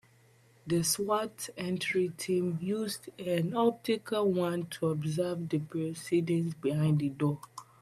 The S.W.A.T. entry team used an optical wand to observe the proceedings behind the door.